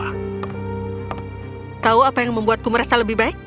aku tahu apa yang membuatku merasa lebih baik